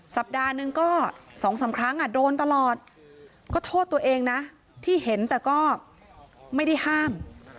สัปดาห์หนึ่งก็๒๓ครั้งโดนตลอดก็โทษตัวเองนะที่เห็นแต่ก็ไม่ได้ห้าม